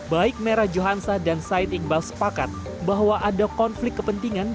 baik merah johansa dan said iqbal sepakat bahwa ada konflik kepentingan